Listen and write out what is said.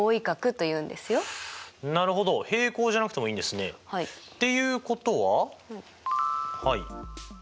平行じゃなくてもいいんですね。っていうことははい。